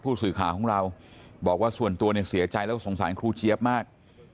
สื่อข่าวของเราบอกว่าส่วนตัวเนี่ยเสียใจแล้วก็สงสารครูเจี๊ยบมาก